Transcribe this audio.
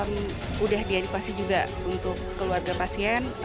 sudah diedukasi juga untuk keluarga pasien